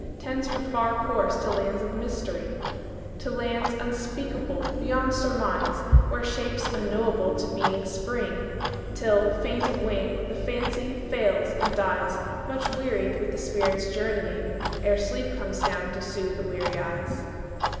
Tends her far course to lands of mystery? To lands unspeakable beyond surmise, Where shapes unknowable to being spring, Till, faint of wing, the Fancy fails and dies Much wearied with the spirit's journeying, Ere sleep comes down to soothe the weary eyes.